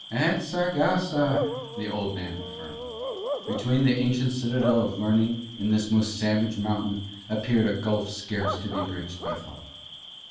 "At Saragossa," the old man affirmed. Between that ancient citadel of learning and this most savage mountain appeared a gulf scarce to be bridged by thought.